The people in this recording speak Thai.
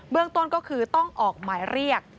ต้นก็คือต้องออกหมายเรียก